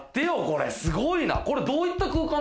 これすごいな！